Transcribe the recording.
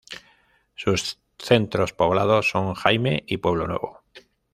Sus centros poblados son Jaime y Pueblo Nuevo.